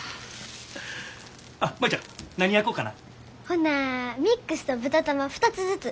ほなミックスと豚玉２つずつ！